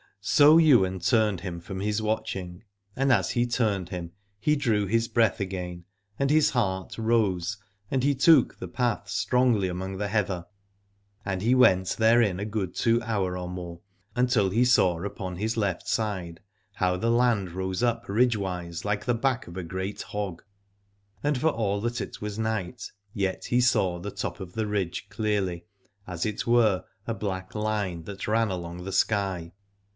So Ywain turned him from his watching : and as he turned him he drew his breath again, and his heart rose and he took the path strongly among the heather. And he went therein a good two hour or more, until he saw upon his left side how the land rose up ridgewise like the back of a great hog: and for all that it was night, yet he saw the top of the ridge clearly, as it were a black line that ran along the sky.